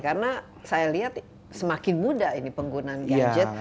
karena saya lihat semakin muda ini penggunaan gadget